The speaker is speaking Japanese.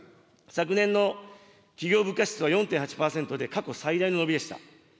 昨年の企業物価指数は４．８％で過去最大の伸びでした。